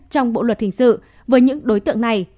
trong bộ luật hình sự với những đối tượng này